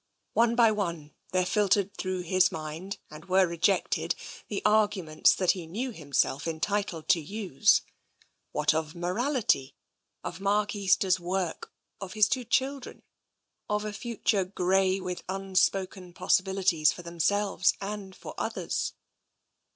One by one there filtered through his mind, and were rejected, the arguments that he knew himself entitled to use. What of morality, of Mark Easter's work, of his two children, of a future grey with unspoken possibilities for themselves and for others